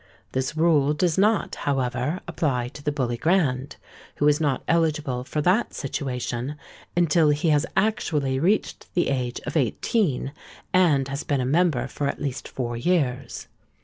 This rule does not, however, apply to the Bully Grand, who is not eligible for that situation until he has actually reached the age of eighteen, and has been a member for at least four years.